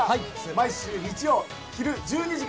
毎週日曜昼１２時から。